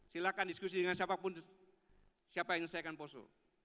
silahkan diskusi dengan siapapun siapa yang menyelesaikan poso